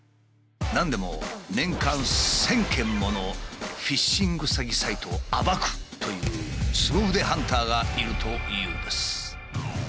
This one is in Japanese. なんでも年間１，０００件ものフィッシング詐欺サイトを暴くというスゴ腕ハンターがいるというんです。